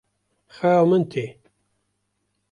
Xewa min tê.